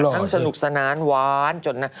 สนุกสนานหวานจนนะ